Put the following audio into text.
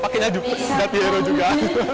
pakainya juventus dan piero juga